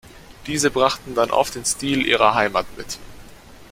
Diese brachten dann oft den Stil ihrer Heimat mit.